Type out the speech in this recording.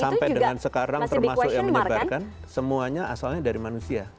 sampai dengan sekarang termasuk yang menyebarkan semuanya asalnya dari manusia